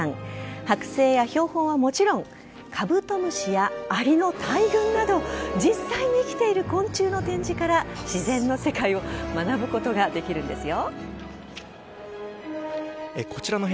剥製や標本はもちろんカブトムシやアリの大群など実際に生きている昆虫の展示から自然な世界を学ぶことができるんですよ。